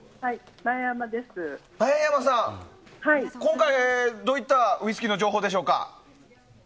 今回、どういったウイスキーの情報でしょうか。